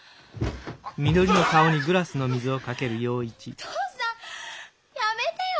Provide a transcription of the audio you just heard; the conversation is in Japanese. お父さんやめてよ